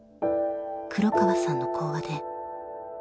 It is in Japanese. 「黒川さんの講話で」